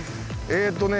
えっとね